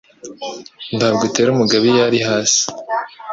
Ntabwo utera umugabo iyo ari hasi.